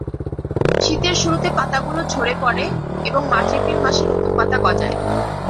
শীতের শুরুতে পাতাগুলো ঝরে পড়ে এবং মার্চ-এপ্রিল মাসে নতুন পাতা গজায়।